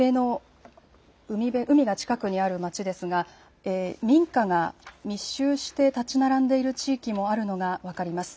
海が近くにある町ですが民家が密集して建ち並んでいる地域もあるのが分かります。